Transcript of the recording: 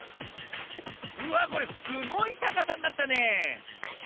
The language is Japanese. うわこれすごいたかさになったねえ。